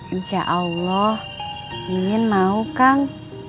insya allah ingin mau kang